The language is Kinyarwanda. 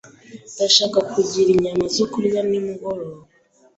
Ndashaka kugira inyama zo kurya nimugoroba.